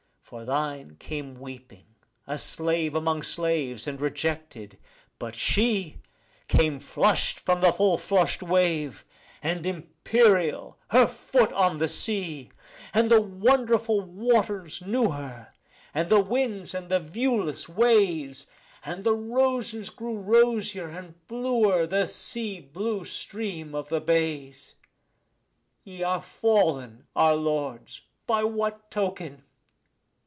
For thine came weeping, a slave among slaves, and rejected; but she Came flushed from the full flushed wave, and imperial, her foot on the sea. And the wonderful waters knew her, the winds and the viewless ways, And the roses grew rosier, and bluer the sea blue stream of the bays. Ye are fallen, our lords, by what token?